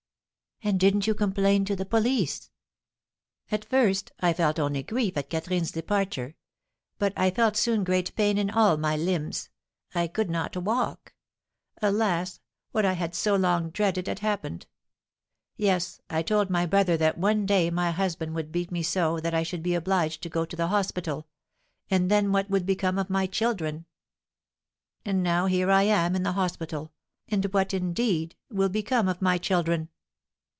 "And didn't you complain to the police?" "At first I felt only grief at Catherine's departure; but I felt soon great pain in all my limbs, I could not walk. Alas, what I had so long dreaded had happened! Yes, I told my brother that one day my husband would beat me so that I should be obliged to go to the hospital, and then what would become of my children? And now here I am in the hospital, and what, indeed, will become of my children?